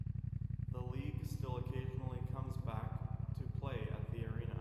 The league still occasionally comes back to play at the arena.